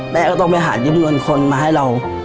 แม่ก็ต้องไปหายิ้มเงินคนมาให้เรา